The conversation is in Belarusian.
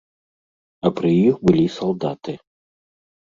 А пры іх былі салдаты.